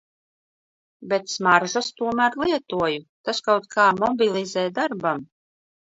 Bet smaržas tomēr lietoju - tas kaut kā mobilizē darbam.